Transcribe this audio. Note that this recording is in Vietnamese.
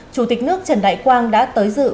chủ tịch nước trần đại quang đã tới dự